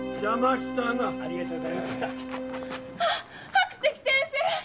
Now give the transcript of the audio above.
白石先生！